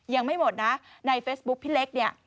ยังไม่หมดนะในเฟซบุ๊คพี่เล็กเนี่ย